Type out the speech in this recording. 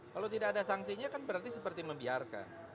kalau tidak ada sanksinya kan berarti seperti membiarkan